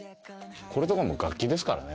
これとかも楽器ですからね。